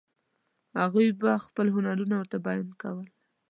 هغوی به خپل هنرونه ورته بیان کول.